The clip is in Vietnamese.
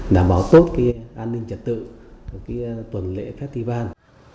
đảm bảo tốt an ninh trật tự tuần lễ festival